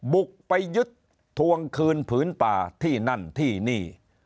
บุกไปยึดทวงคืนผืนป่าที่นั่นที่นี่